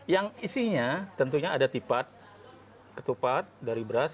yang isinya tentunya ada tipat ketupat dari beras